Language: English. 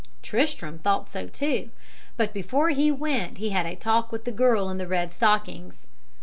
"Tristram thought so too, but before he went he had a talk with the girl in the red stockings.